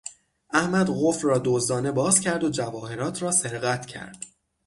احمد قفل را دزدانه باز کرد و جواهرات را سرقت کرد.